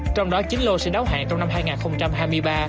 trong đó chín lô sẽ đáo hạn trong năm hai nghìn hai mươi ba